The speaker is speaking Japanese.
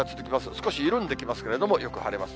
少し緩んできますけれども、よく晴れます。